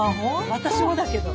私もだけど。